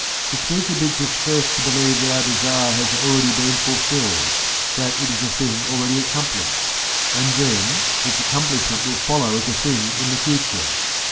The speaker bids us first to believe that our desire has already been fulfilled, that it is a thing already accomplished, and then its accomplishment will follow as a thing in the future.